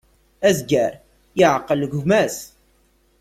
Azger yeεqel gma-s.